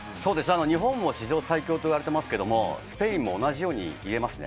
日本も史上最強と言われてますけど、スペインも同じようにいえますね。